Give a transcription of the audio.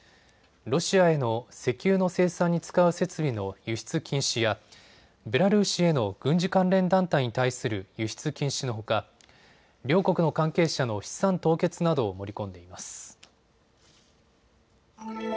ロシアへの石油の生産に使う設備の輸出禁止やベラルーシへの軍事関連団体に対する輸出禁止のほか両国の関係者の資産凍結などを盛り込んでいます。